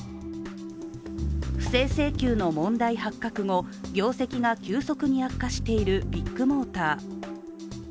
不正請求の問題発覚後、業績が急速に悪化しているビッグモーター。